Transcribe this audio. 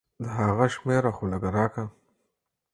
د هغه شميره خو لګه راکه.